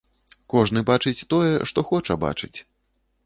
Кожны бачыць тое, што хоча бачыць.